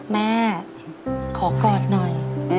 แม่ขอกอดหน่อย